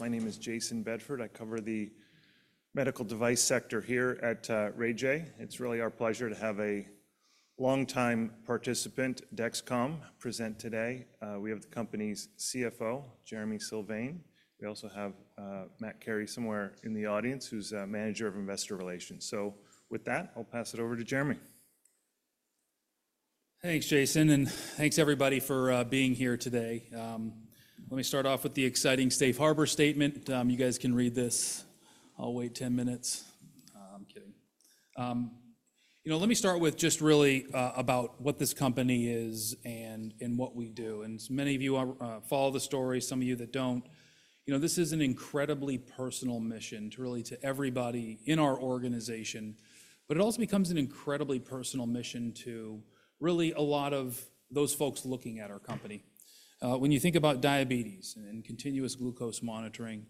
My name is Jayson Bedford. I cover the Medical Device sector here at Ray J. It's really our pleasure to have a longtime participant, Dexcom, present today. We have the company's CFO, Jereme Sylvain. We also have Matt Carey somewhere in the audience, who's a Manager of Investor Relations. So, with that, I'll pass it over to Jereme. Thanks, Jayson, and thanks, everybody, for being here today. Let me start off with the exciting Safe Harbor statement. You guys can read this. I'll wait 10 minutes. I'm kidding. Let me start with just really about what this company is and what we do, and many of you follow the story, some of you that don't. This is an incredibly personal mission, really, to everybody in our organization. But it also becomes an incredibly personal mission to really a lot of those folks looking at our company. When you think about diabetes and continuous glucose monitoring,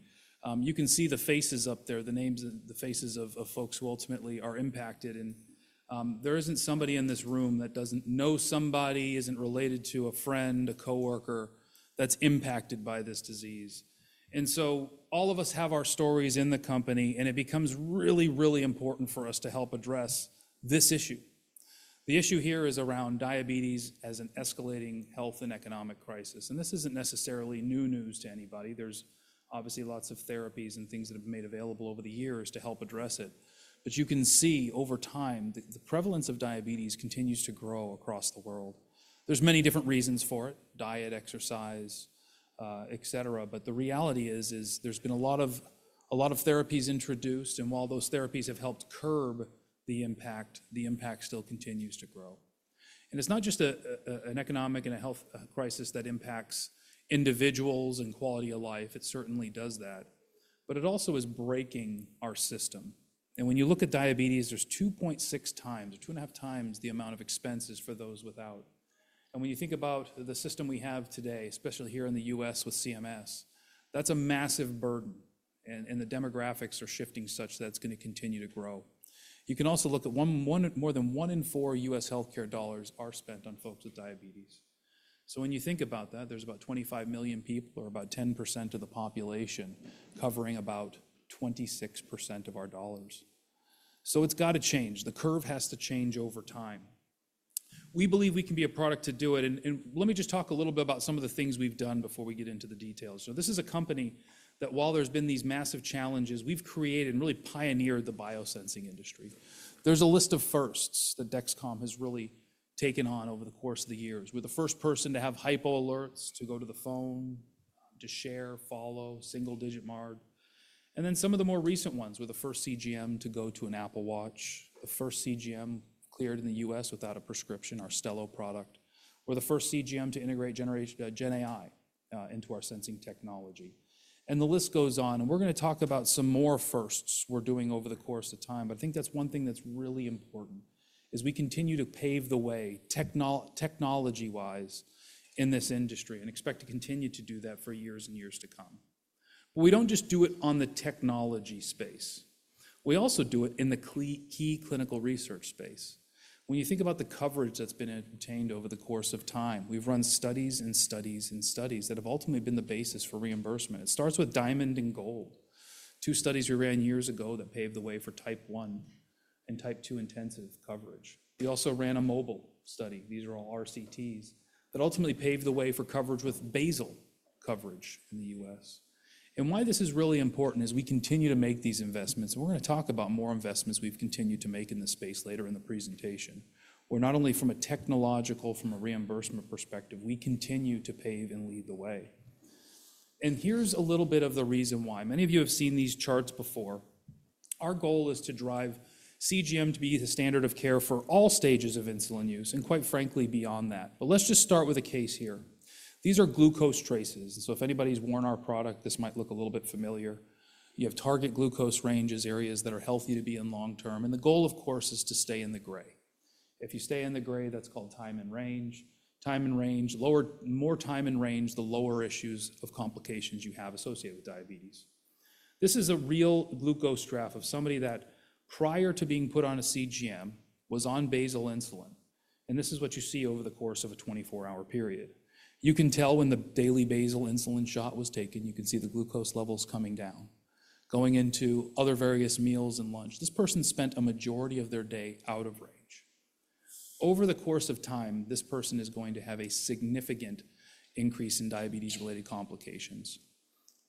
you can see the faces up there, the names, the faces of folks who ultimately are impacted, and there isn't somebody in this room that doesn't know somebody, isn't related to a friend, a coworker that's impacted by this disease. And so all of us have our stories in the company, and it becomes really, really important for us to help address this issue. The issue here is around diabetes as an escalating health and economic crisis. And this isn't necessarily new news to anybody. There's obviously lots of therapies and things that have been made available over the years to help address it. But you can see over time that the prevalence of diabetes continues to grow across the world. There's many different reasons for it: diet, exercise, et cetera. But the reality is there's been a lot of therapies introduced. And while those therapies have helped curb the impact, the impact still continues to grow. And it's not just an economic and a health crisis that impacts individuals and quality of life. It certainly does that. But it also is breaking our system. When you look at diabetes, there's 2.6x, or 2.5x, the amount of expenses for those without. When you think about the system we have today, especially here in the U.S. with CMS, that's a massive burden. The demographics are shifting such that it's going to continue to grow. You can also look at more than one in four U.S. health care dollars are spent on folks with diabetes. When you think about that, there's about 25 million people, or about 10% of the population, covering about 26% of our dollars. It's got to change. The curve has to change over time. We believe we can be a product to do it. Let me just talk a little bit about some of the things we've done before we get into the details. So this is a company that, while there's been these massive challenges, we've created and really pioneered the biosensing industry. There's a list of firsts that Dexcom has really taken on over the course of the years, with the first person to have hypo alerts, to go to the phone, to share, follow, single-digit MARD. And then some of the more recent ones, with the first CGM to go to an Apple Watch, the first CGM cleared in the U.S. without a prescription, our Stelo product, or the first CGM to integrate Gen AI into our sensing technology. And the list goes on. And we're going to talk about some more firsts we're doing over the course of time. But I think that's one thing that's really important is we continue to pave the way technology-wise in this industry and expect to continue to do that for years and years to come. But we don't just do it on the technology space. We also do it in the key clinical research space. When you think about the coverage that's been attained over the course of time, we've run studies and studies and studies that have ultimately been the basis for reimbursement. It starts with DIAMOND and GOLD, two studies we ran years ago that paved the way for Type 1 and Type 2 intensive coverage. We also ran a MOBILE study. These are all RCTs that ultimately paved the way for coverage with basal coverage in the U.S. And why this is really important is we continue to make these investments. We're going to talk about more investments we've continued to make in this space later in the presentation, where not only from a technological, from a reimbursement perspective, we continue to pave and lead the way. And here's a little bit of the reason why. Many of you have seen these charts before. Our goal is to drive CGM to be the standard of care for all stages of insulin use and, quite frankly, beyond that. But let's just start with a case here. These are glucose traces. And so if anybody's worn our product, this might look a little bit familiar. You have target glucose ranges, areas that are healthy to be in long term. And the goal, of course, is to stay in the gray. If you stay in the gray, that's called time in range. Time in range: the more time in range, the lower the issues of complications you have associated with diabetes. This is a real glucose graph of somebody that, prior to being put on a CGM, was on basal insulin, and this is what you see over the course of a 24-hour period. You can tell when the daily basal insulin shot was taken. You can see the glucose levels coming down, going into other various meals and lunch. This person spent a majority of their day out of range. Over the course of time, this person is going to have a significant increase in diabetes-related complications,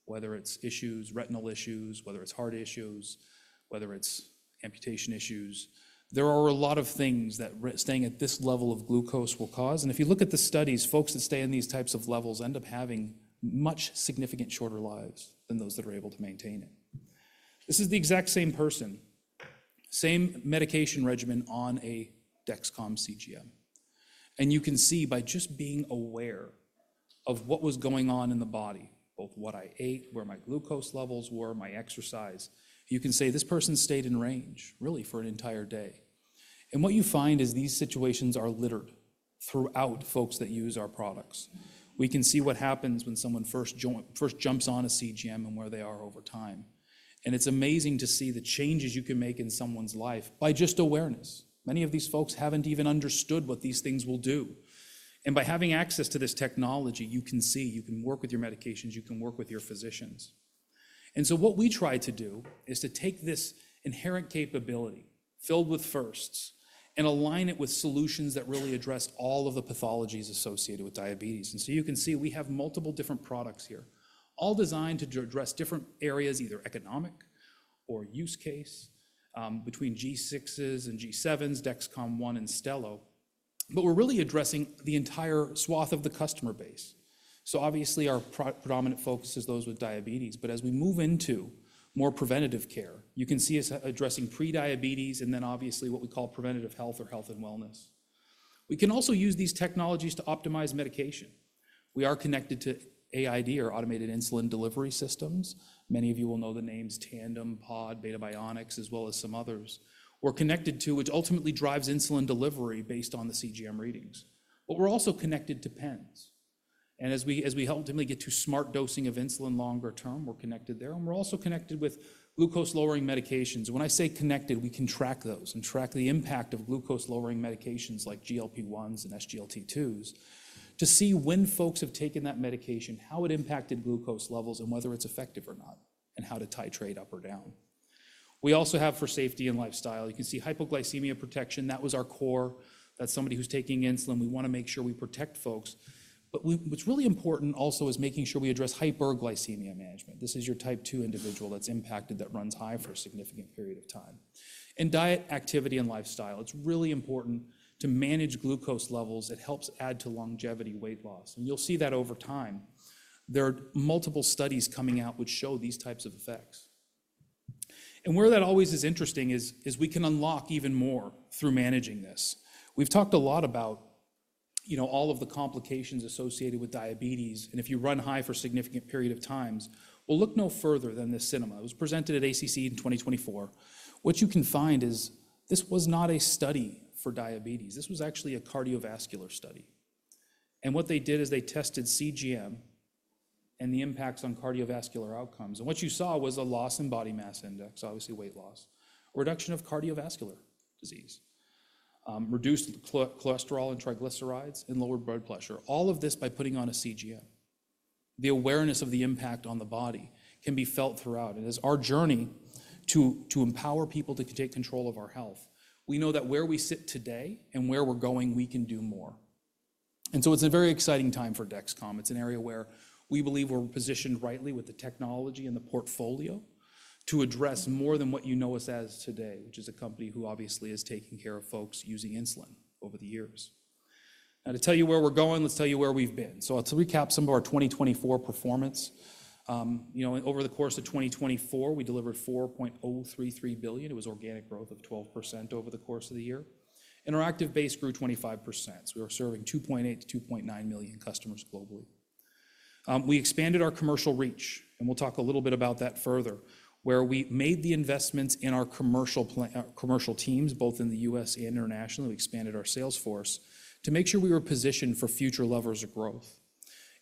whether it's issues, retinal issues, whether it's heart issues, whether it's amputation issues. There are a lot of things that staying at this level of glucose will cause. If you look at the studies, folks that stay in these types of levels end up having much significant shorter lives than those that are able to maintain it. This is the exact same person, same medication regimen on a Dexcom CGM. You can see by just being aware of what was going on in the body, both what I ate, where my glucose levels were, my exercise, you can say this person stayed in range, really, for an entire day. What you find is these situations are littered throughout folks that use our products. We can see what happens when someone first jumps on a CGM and where they are over time. It's amazing to see the changes you can make in someone's life by just awareness. Many of these folks haven't even understood what these things will do. By having access to this technology, you can see, you can work with your medications, you can work with your physicians. And so what we try to do is to take this inherent capability filled with firsts and align it with solutions that really address all of the pathologies associated with diabetes. And so you can see we have multiple different products here, all designed to address different areas, either economic or use case between G6s and G7s, Dexcom ONE and Stelo. But we're really addressing the entire swath of the customer base. So obviously, our predominant focus is those with diabetes. But as we move into more preventative care, you can see us addressing prediabetes and then obviously what we call preventative health or health and wellness. We can also use these technologies to optimize medication. We are connected to AID, or Automated Insulin Delivery systems. Many of you will know the names Tandem, Pod, Beta Bionics, as well as some others. We're connected to which ultimately drives insulin delivery based on the CGM readings. But we're also connected to Pens. And as we ultimately get to smart dosing of insulin longer term, we're connected there. And we're also connected with glucose-lowering medications. When I say connected, we can track those and track the impact of glucose-lowering medications like GLP-1s and SGLT-2s to see when folks have taken that medication, how it impacted glucose levels and whether it's effective or not, and how to titrate up or down. We also have for safety and lifestyle. You can see hypoglycemia protection. That was our core that somebody who's taking insulin, we want to make sure we protect folks. But what's really important also is making sure we address hyperglycemia management. This is your Type 2 individual that's impacted, that runs high for a significant period of time. Diet, activity, and lifestyle. It's really important to manage glucose levels. It helps add to longevity, weight loss. You'll see that over time. There are multiple studies coming out which show these types of effects. Where that always is interesting is we can unlock even more through managing this. We've talked a lot about all of the complications associated with diabetes. If you run high for a significant period of time, we'll look no further than this CINEMA. It was presented at ACC in 2024. What you can find is this was not a study for diabetes. This was actually a cardiovascular study. What they did is they tested CGM and the impacts on cardiovascular outcomes. And what you saw was a loss in body mass index, obviously weight loss, reduction of cardiovascular disease, reduced cholesterol and triglycerides, and lowered blood pressure, all of this by putting on a CGM. The awareness of the impact on the body can be felt throughout, and as our journey to empower people to take control of our health, we know that where we sit today and where we're going, we can do more, and so it's a very exciting time for Dexcom. It's an area where we believe we're positioned rightly with the technology and the portfolio to address more than what you know us as today, which is a company who obviously is taking care of folks using insulin over the years. Now, to tell you where we're going, let's tell you where we've been. To recap some of our 2024 performance, over the course of 2024, we delivered $4.033 billion. It was organic growth of 12% over the course of the year. Installed base grew 25%. We were serving 2.8 million-2.9 million customers globally. We expanded our commercial reach, and we'll talk a little bit about that further, where we made the investments in our commercial teams, both in the U.S. and internationally. We expanded our sales force to make sure we were positioned for future levers of growth.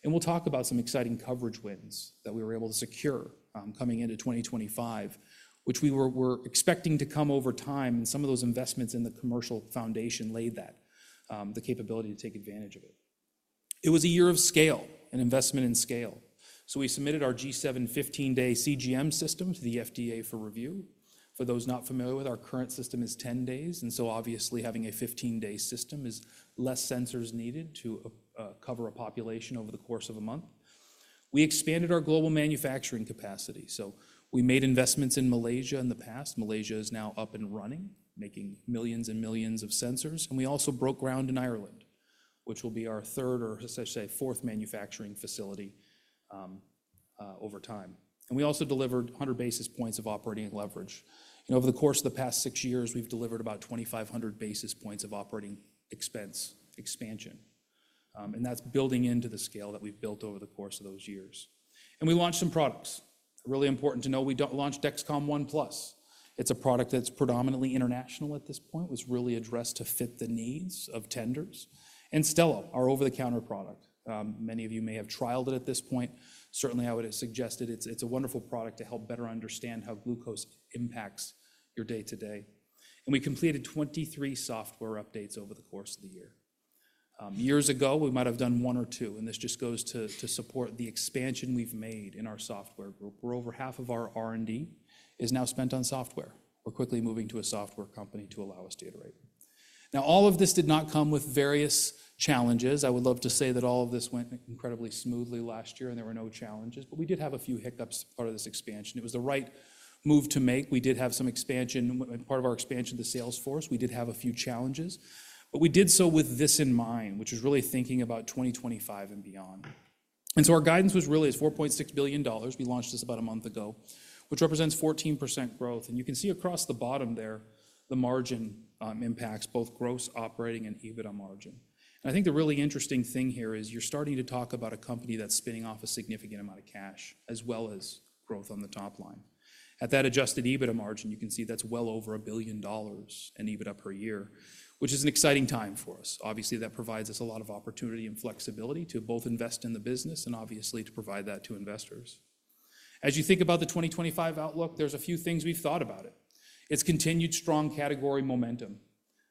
We'll talk about some exciting coverage wins that we were able to secure coming into 2025, which we were expecting to come over time. Some of those investments in the commercial foundation laid that, the capability to take advantage of it. It was a year of scale, an investment in scale. So we submitted our G7 15-day CGM system to the FDA for review. For those not familiar with it, our current system is 10 days. And so obviously, having a 15-day system is less sensors needed to cover a population over the course of a month. We expanded our global manufacturing capacity. So we made investments in Malaysia in the past. Malaysia is now up and running, making millions and millions of sensors. And we also broke ground in Ireland, which will be our third or, as I say, fourth manufacturing facility over time. And we also delivered 100 basis points of operating leverage. And over the course of the past six years, we've delivered about 2,500 basis points of operating expense expansion. And that's building into the scale that we've built over the course of those years. And we launched some products. Really important to know, we launched Dexcom ONE+. It's a product that's predominantly international at this point. It was really addressed to fit the needs of tenders. And Stelo, our over-the-counter product. Many of you may have trialed it at this point. Certainly, I would have suggested it's a wonderful product to help better understand how glucose impacts your day-to-day. And we completed 23 software updates over the course of the year. Years ago, we might have done one or two. And this just goes to support the expansion we've made in our software group. We're over half of our R&D is now spent on software. We're quickly moving to a software company to allow us to iterate. Now, all of this did not come with various challenges. I would love to say that all of this went incredibly smoothly last year and there were no challenges. But we did have a few hiccups, part of this expansion. It was the right move to make. We did have some expansion. Part of our expansion, the sales force, we did have a few challenges. But we did so with this in mind, which is really thinking about 2025 and beyond. And so our guidance was really is $4.6 billion. We launched this about a month ago, which represents 14% growth. And you can see across the bottom there the margin impacts, both gross operating and EBITDA margin. And I think the really interesting thing here is you're starting to talk about a company that's spinning off a significant amount of cash as well as growth on the top line. At that adjusted EBITDA margin, you can see that's well over a billion dollars in EBITDA per year, which is an exciting time for us. Obviously, that provides us a lot of opportunity and flexibility to both invest in the business and obviously to provide that to investors. As you think about the 2025 outlook, there's a few things we've thought about it. It's continued strong category momentum.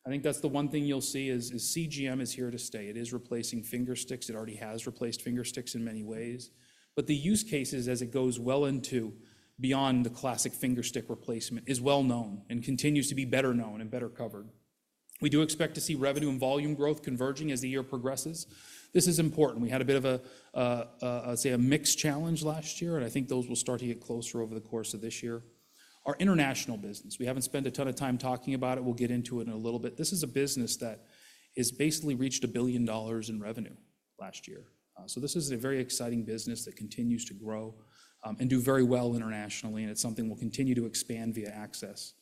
I think that's the one thing you'll see is CGM is here to stay. It is replacing fingersticks. It already has replaced fingersticks in many ways, but the use cases as it goes well into beyond the classic fingerstick replacement is well known and continues to be better known and better covered. We do expect to see revenue and volume growth converging as the year progresses. This is important. We had a bit of a, I'd say, a mixed challenge last year, and I think those will start to get closer over the course of this year. Our international business, we haven't spent a ton of time talking about it. We'll get into it in a little bit. This is a business that has basically reached $1 billion in revenue last year. So this is a very exciting business that continues to grow and do very well internationally. And it's something we'll continue to expand via access.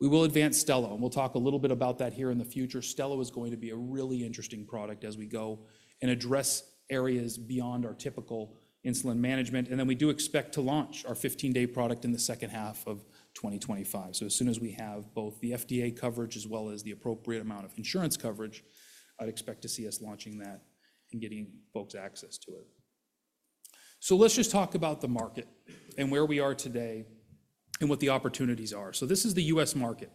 We will advance Stelo. And we'll talk a little bit about that here in the future. Stelo is going to be a really interesting product as we go and address areas beyond our typical insulin management. And then we do expect to launch our 15-day product in the second half of 2025. So as soon as we have both the FDA coverage as well as the appropriate amount of insurance coverage, I'd expect to see us launching that and getting folks access to it. So let's just talk about the market and where we are today and what the opportunities are. So this is the U.S. market.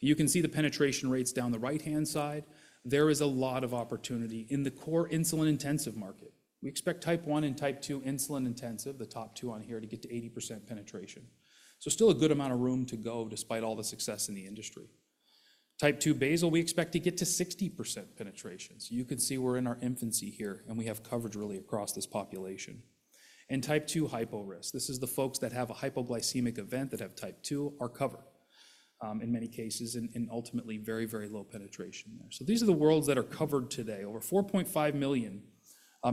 You can see the penetration rates down the right-hand side. There is a lot of opportunity in the core insulin-intensive market. We expect Type 1 and Type 2 insulin-intensive, the top two on here to get to 80% penetration. So still a good amount of room to go despite all the success in the industry. Type 2 basal, we expect to get to 60% penetration. So you can see we're in our infancy here and we have coverage really across this population. And Type 2 hypo risk, this is the folks that have a hypoglycemic event that have Type 2 are covered in many cases and ultimately very, very low penetration there. So these are the worlds that are covered today, over 4.5 million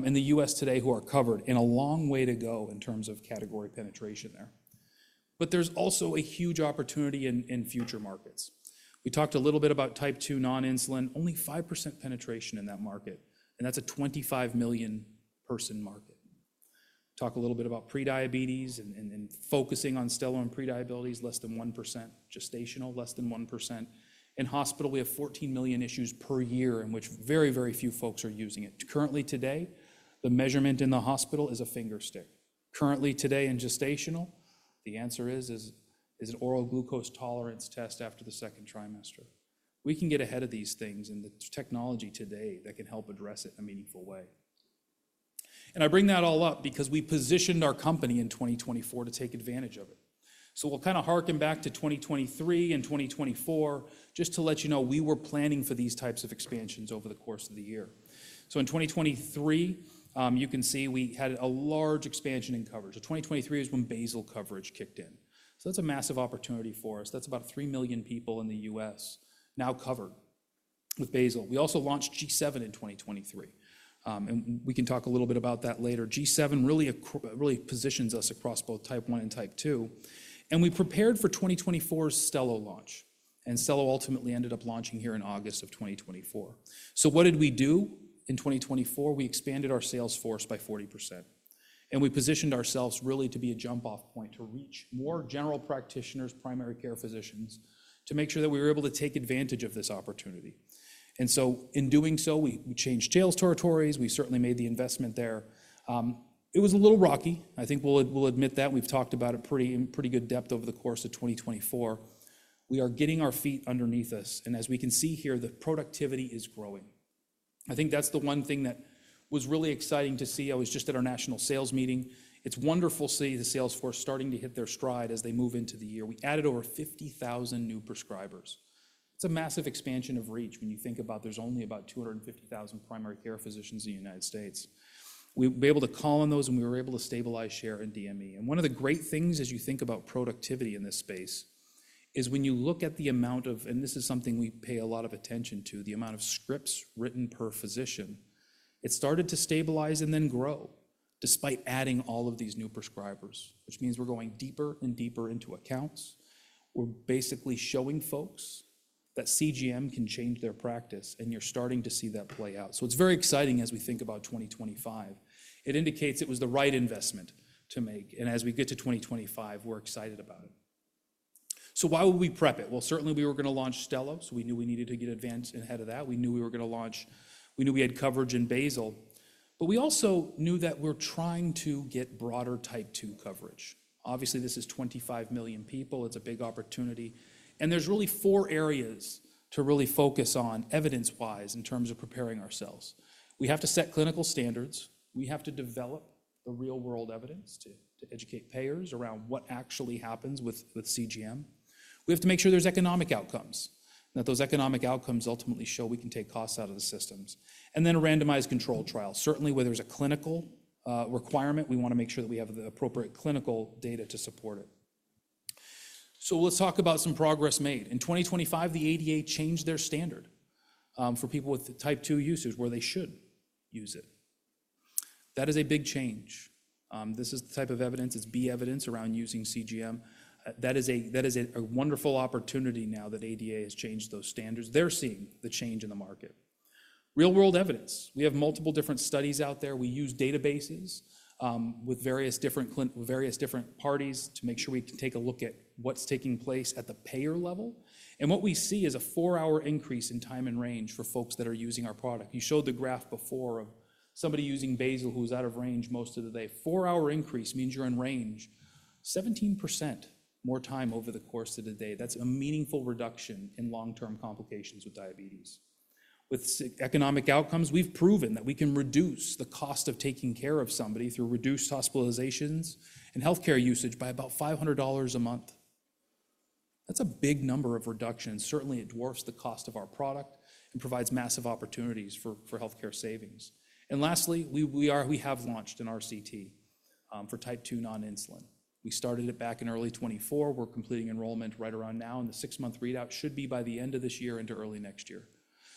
in the U.S. today who are covered and a long way to go in terms of category penetration there. But there's also a huge opportunity in future markets. We talked a little bit about Type 2 non-insulin, only 5% penetration in that market. And that's a 25-million-person market. Talk a little bit about prediabetes and focusing on Stelo and prediabetes, less than 1%, gestational, less than 1%. In hospital, we have 14 million issues per year in which very, very few folks are using it. Currently today, the measurement in the hospital is a fingerstick. Currently today in gestational, the answer is an oral glucose tolerance test after the second trimester. We can get ahead of these things and the technology today that can help address it in a meaningful way. I bring that all up because we positioned our company in 2024 to take advantage of it. So we'll kind of harken back to 2023 and 2024 just to let you know we were planning for these types of expansions over the course of the year. So in 2023, you can see we had a large expansion in coverage. So 2023 is when basal coverage kicked in. So that's a massive opportunity for us. That's about 3 million people in the U.S. now covered with basal. We also launched G7 in 2023. And we can talk a little bit about that later. G7 really positions us across both Type 1 and Type 2. And we prepared for 2024's Stelo launch. And Stelo ultimately ended up launching here in August of 2024. So what did we do in 2024? We expanded our sales force by 40%. And we positioned ourselves really to be a jump-off point to reach more general practitioners, primary care physicians to make sure that we were able to take advantage of this opportunity. And so in doing so, we changed sales territories. We certainly made the investment there. It was a little rocky. I think we'll admit that. We've talked about it in pretty good depth over the course of 2024. We are getting our feet underneath us. And as we can see here, the productivity is growing. I think that's the one thing that was really exciting to see. I was just at our national sales meeting. It's wonderful to see the sales force starting to hit their stride as they move into the year. We added over 50,000 new prescribers. It's a massive expansion of reach when you think about, there's only about 250,000 primary care physicians in the United States. We were able to call on those and we were able to stabilize share in DME, and one of the great things as you think about productivity in this space is when you look at the amount of, and this is something we pay a lot of attention to, the amount of scripts written per physician. It started to stabilize and then grow despite adding all of these new prescribers, which means we're going deeper and deeper into accounts. We're basically showing folks that CGM can change their practice and you're starting to see that play out, so it's very exciting as we think about 2025. It indicates it was the right investment to make, and as we get to 2025, we're excited about it. So why would we prep it? Well, certainly we were going to launch Stelo. So we knew we needed to get ahead of that. We knew we were going to launch. We knew we had coverage in basal. But we also knew that we're trying to get broader Type 2 coverage. Obviously, this is 25 million people. It's a big opportunity. And there's really four areas to really focus on evidence-wise in terms of preparing ourselves. We have to set clinical standards. We have to develop the real-world evidence to educate payers around what actually happens with CGM. We have to make sure there's economic outcomes and that those economic outcomes ultimately show we can take costs out of the systems. And then a randomized controlled trial. Certainly where there's a clinical requirement, we want to make sure that we have the appropriate clinical data to support it. Let's talk about some progress made. In 2025, the ADA changed their standard for people with Type 2 users where they should use it. That is a big change. This is the type of evidence. It's B evidence around using CGM. That is a wonderful opportunity now that ADA has changed those standards. They're seeing the change in the market. Real-world evidence. We have multiple different studies out there. We use databases with various different parties to make sure we can take a look at what's taking place at the payer level, and what we see is a four-hour increase in time in range for folks that are using our product. You showed the graph before of somebody using basal who was out of range most of the day. Four-hour increase means you're in range 17% more time over the course of the day. That's a meaningful reduction in long-term complications with diabetes. With economic outcomes, we've proven that we can reduce the cost of taking care of somebody through reduced hospitalizations and healthcare usage by about $500 a month. That's a big number of reductions. Certainly, it dwarfs the cost of our product and provides massive opportunities for healthcare savings. And lastly, we have launched an RCT for Type 2 non-insulin. We started it back in early 2024. We're completing enrollment right around now. And the six-month readout should be by the end of this year into early next year.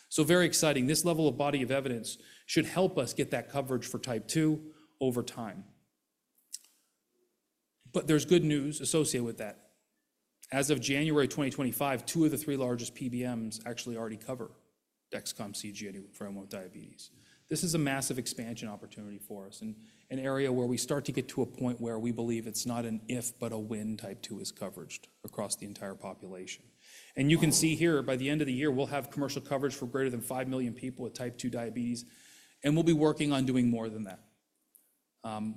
So very exciting. This level of body of evidence should help us get that coverage for Type 2 over time. But there's good news associated with that. As of January 2025, two of the three largest PBMs actually already cover Dexcom CGM for remote diabetes. This is a massive expansion opportunity for us in an area where we start to get to a point where we believe it's not an if, but a when Type 2 is covered across the entire population. And you can see here by the end of the year, we'll have commercial coverage for greater than five million people with Type 2 diabetes. And we'll be working on doing more than that.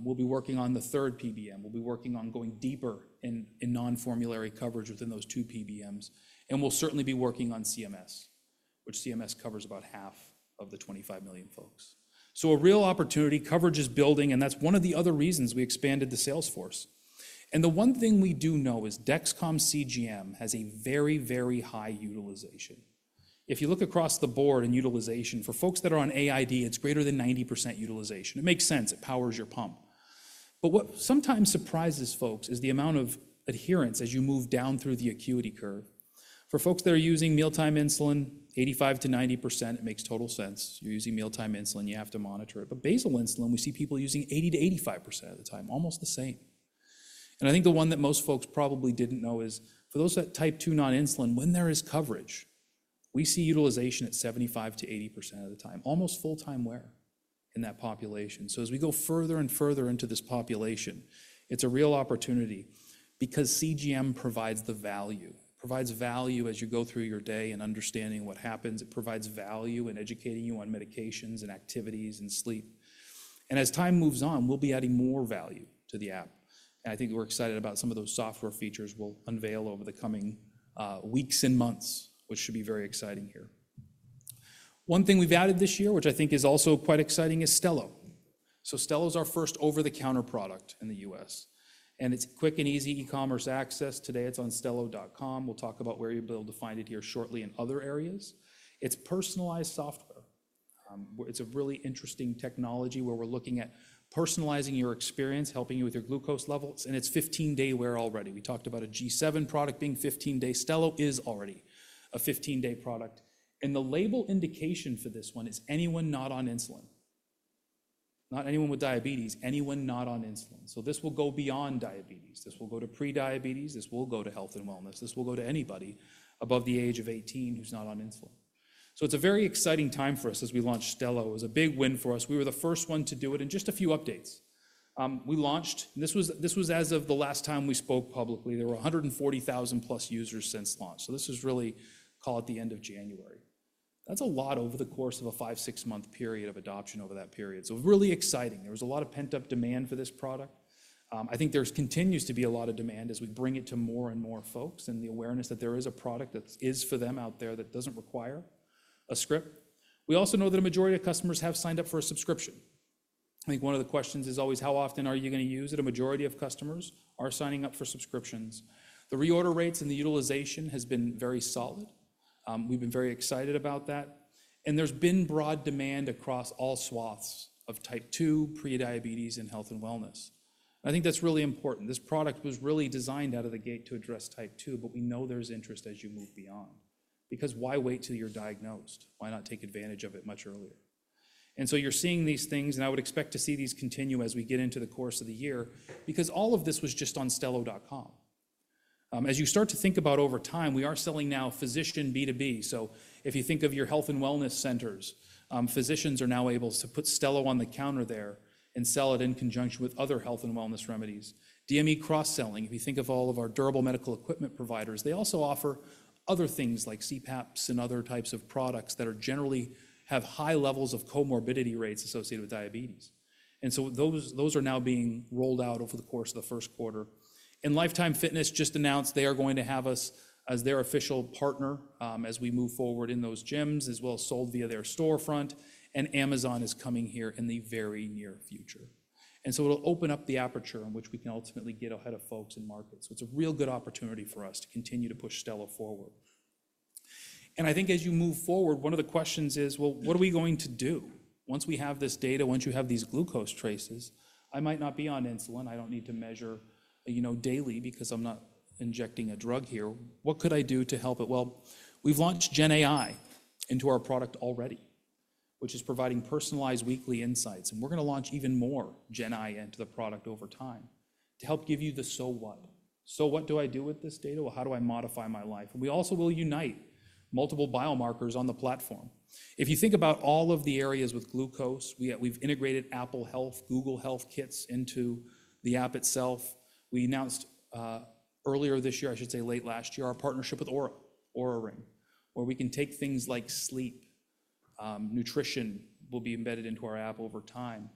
We'll be working on the third PBM. We'll be working on going deeper in non-formulary coverage within those two PBMs. And we'll certainly be working on CMS, which CMS covers about half of the 25 million folks. So a real opportunity. Coverage is building. And that's one of the other reasons we expanded the sales force. And the one thing we do know is Dexcom CGM has a very, very high utilization. If you look across the board in utilization for folks that are on AID, it's greater than 90% utilization. It makes sense. It powers your pump. But what sometimes surprises folks is the amount of adherence as you move down through the acuity curve. For folks that are using mealtime insulin, 85%-90%, it makes total sense. You're using mealtime insulin. You have to monitor it. But basal insulin, we see people using 80%-85% of the time, almost the same. And I think the one that most folks probably didn't know is for those that Type 2 non-insulin, when there is coverage, we see utilization at 75%-80% of the time, almost full-time wear in that population. So as we go further and further into this population, it's a real opportunity because CGM provides the value, provides value as you go through your day and understanding what happens. It provides value in educating you on medications and activities and sleep, and as time moves on, we'll be adding more value to the app, and I think we're excited about some of those software features we'll unveil over the coming weeks and months, which should be very exciting here. One thing we've added this year, which I think is also quite exciting, is Stelo, so Stelo is our first over-the-counter product in the U.S. And it's quick and easy e-commerce access. Today, it's on stelo.com. We'll talk about where you'll be able to find it here shortly in other areas. It's personalized software. It's a really interesting technology where we're looking at personalizing your experience, helping you with your glucose levels. And it's 15-day wear already. We talked about a G7 product being 15-day. Stelo is already a 15-day product. And the label indication for this one is anyone not on insulin, not anyone with diabetes, anyone not on insulin. So this will go beyond diabetes. This will go to prediabetes. This will go to health and wellness. This will go to anybody above the age of 18 who's not on insulin. So it's a very exciting time for us as we launch Stelo. It was a big win for us. We were the first one to do it. And just a few updates. We launched, and this was as of the last time we spoke publicly, there were 140,000+ users since launch. This is really scaled at the end of January. That's a lot over the course of a five, six-month period of adoption over that period. Really exciting. There was a lot of pent-up demand for this product. I think there continues to be a lot of demand as we bring it to more and more folks and the awareness that there is a product that is for them out there that doesn't require a script. We also know that a majority of customers have signed up for a subscription. I think one of the questions is always, how often are you going to use it? A majority of customers are signing up for subscriptions. The reorder rates and the utilization has been very solid. We've been very excited about that. There's been broad demand across all swaths of Type 2, prediabetes, and health and wellness. I think that's really important. This product was really designed out of the gate to address Type 2, but we know there's interest as you move beyond. Because why wait till you're diagnosed? Why not take advantage of it much earlier? And so you're seeing these things, and I would expect to see these continue as we get into the course of the year because all of this was just on stelo.com. As you start to think about over time, we are selling now physician B2B. So if you think of your health and wellness centers, physicians are now able to put Stelo on the counter there and sell it in conjunction with other health and wellness remedies. DME cross-selling, if you think of all of our durable medical equipment providers, they also offer other things like CPAPs and other types of products that generally have high levels of comorbidity rates associated with diabetes. And so those are now being rolled out over the course of the first quarter. And Life Time Fitness just announced they are going to have us as their official partner as we move forward in those gyms, as well as sold via their storefront. And Amazon is coming here in the very near future. And so it'll open up the aperture in which we can ultimately get ahead of folks in markets. So it's a real good opportunity for us to continue to push Stelo forward. I think as you move forward, one of the questions is, well, what are we going to do once we have this data, once you have these glucose traces? I might not be on insulin. I don't need to measure daily because I'm not injecting a drug here. What could I do to help it? We've launched Gen AI into our product already, which is providing personalized weekly insights. And we're going to launch even more Gen AI into the product over time to help give you the so what. So what do I do with this data? How do I modify my life? And we also will unite multiple biomarkers on the platform. If you think about all of the areas with glucose, we've integrated Apple Health, Google Health Kits into the app itself. We announced earlier this year, I should say late last year, our partnership with Oura Ring, where we can take things like sleep, nutrition will be embedded into our app over time,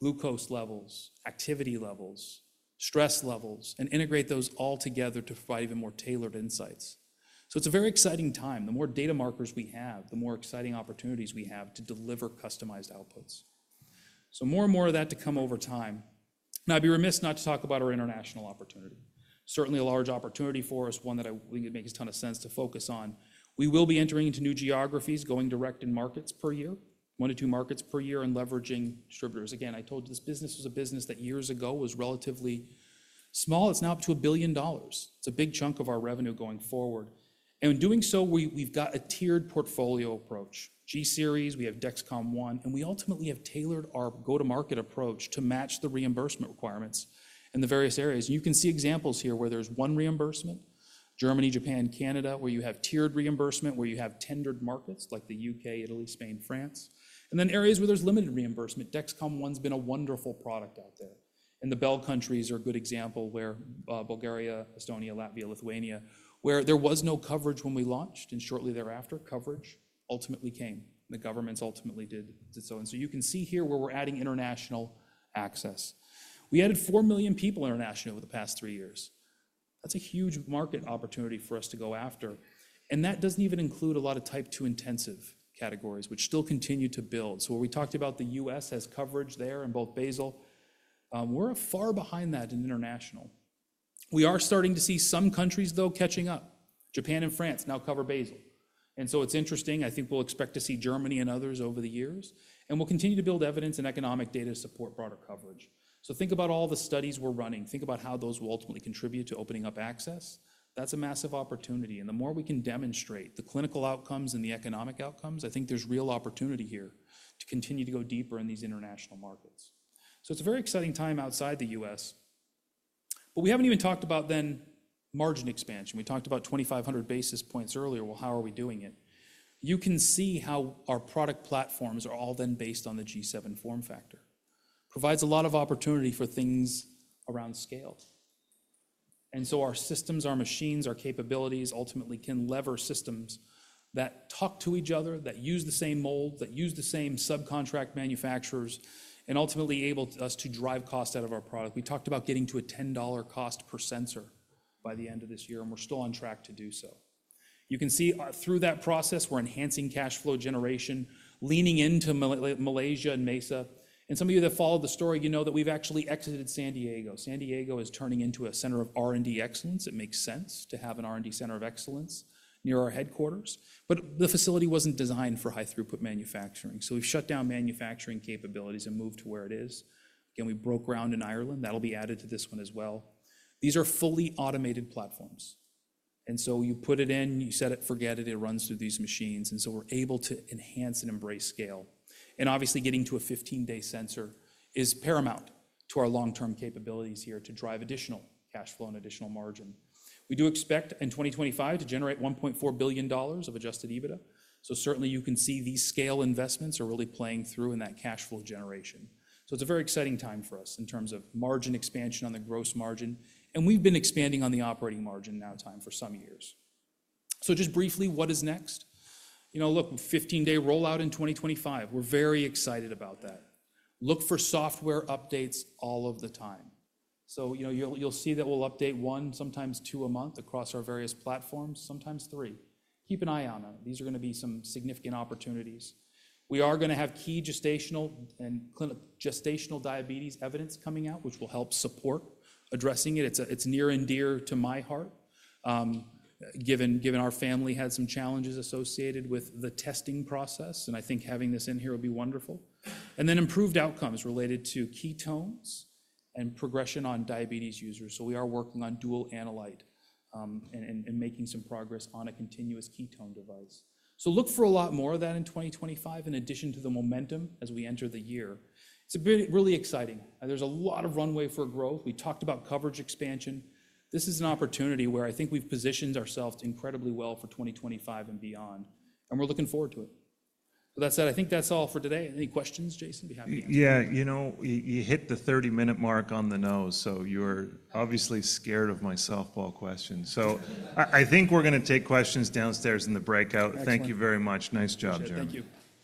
glucose levels, activity levels, stress levels, and integrate those all together to provide even more tailored insights, so it's a very exciting time. The more data markers we have, the more exciting opportunities we have to deliver customized outputs, so more and more of that to come over time, and I'd be remiss not to talk about our international opportunity. Certainly a large opportunity for us, one that I think makes a ton of sense to focus on. We will be entering into new geographies, going direct in markets per year, one to two markets per year and leveraging distributors. Again, I told you this business was a business that years ago was relatively small. It's now up to $1 billion. It's a big chunk of our revenue going forward. And in doing so, we've got a tiered portfolio approach. G Series, we have Dexcom ONE, and we ultimately have tailored our go-to-market approach to match the reimbursement requirements in the various areas. And you can see examples here where there's one reimbursement, Germany, Japan, Canada, where you have tiered reimbursement, where you have tendered markets like the U.K., Italy, Spain, France. And then areas where there's limited reimbursement, Dexcom ONE's been a wonderful product out there. And the BELL countries are a good example where Bulgaria, Estonia, Latvia, Lithuania, where there was no coverage when we launched and shortly thereafter coverage ultimately came. The governments ultimately did so. And so you can see here where we're adding international access. We added four million people internationally over the past three years. That's a huge market opportunity for us to go after. And that doesn't even include a lot of Type 2 intensive categories, which still continue to build. So we talked about the U.S. has coverage there in both basal. We're far behind that in international. We are starting to see some countries, though, catching up. Japan and France now cover basal. And so it's interesting. I think we'll expect to see Germany and others over the years. And we'll continue to build evidence and economic data to support broader coverage. So think about all the studies we're running. Think about how those will ultimately contribute to opening up access. That's a massive opportunity. And the more we can demonstrate the clinical outcomes and the economic outcomes, I think there's real opportunity here to continue to go deeper in these international markets. So it's a very exciting time outside the U.S. We haven't even talked about the margin expansion. We talked about 2,500 basis points earlier. How are we doing it? You can see how our product platforms are all the same based on the G7 form factor. It provides a lot of opportunity for things around scale. Our systems, our machines, our capabilities ultimately can leverage systems that talk to each other, that use the same mold, that use the same subcontract manufacturers, and ultimately enable us to drive cost out of our product. We talked about getting to a $10 cost per sensor by the end of this year, and we're still on track to do so. You can see through that process, we're enhancing cash flow generation, leaning into Malaysia and Mesa. Some of you that followed the story, you know that we've actually exited San Diego. San Diego is turning into a center of R&D excellence. It makes sense to have an R&D center of excellence near our headquarters. But the facility wasn't designed for high-throughput manufacturing. So we shut down manufacturing capabilities and moved to where it is. Again, we broke ground in Ireland. That'll be added to this one as well. These are fully automated platforms. And so you put it in, you set it, forget it, it runs through these machines. And so we're able to enhance and embrace scale. And obviously, getting to a 15-day sensor is paramount to our long-term capabilities here to drive additional cash flow and additional margin. We do expect in 2025 to generate $1.4 billion of adjusted EBITDA. So certainly, you can see these scale investments are really playing through in that cash flow generation. It's a very exciting time for us in terms of margin expansion on the gross margin. We've been expanding on the operating margin now time for some years. Just briefly, what is next? You know, look, 15-day rollout in 2025. We're very excited about that. Look for software updates all of the time. You'll see that we'll update one, sometimes two a month across our various platforms, sometimes three. Keep an eye on them. These are going to be some significant opportunities. We are going to have key gestational and clinical gestational diabetes evidence coming out, which will help support addressing it. It's near and dear to my heart, given our family has some challenges associated with the testing process. I think having this in here will be wonderful. Then improved outcomes related to ketones and progression on diabetes users. So we are working on dual analyte and making some progress on a continuous ketone device. So look for a lot more of that in 2025, in addition to the momentum as we enter the year. It's really exciting. There's a lot of runway for growth. We talked about coverage expansion. This is an opportunity where I think we've positioned ourselves incredibly well for 2025 and beyond, and we're looking forward to it. So that said, I think that's all for today. Any questions, Jayson? Be happy to answer. Yeah, you know, you hit the 30-minute mark on the nose. So you're obviously scared of my softball questions. So I think we're going to take questions downstairs in the breakout. Thank you very much. Nice job, Jereme. Thank you.